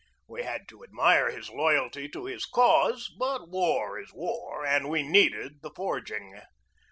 We had to admire his loyalty to his cause; but war is war and we needed the forging.